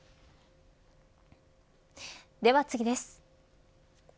では次です。